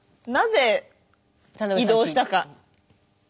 なぜ移動したか。